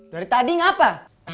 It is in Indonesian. dari tadi ngapa